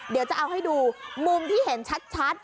เดี๋ยวจะเอาให้ดูมุมที่เห็นชัด